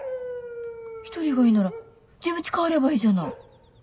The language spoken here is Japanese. １人がいいなら自分ち帰ればいいじゃない。